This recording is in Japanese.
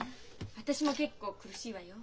私も結構苦しいわよ。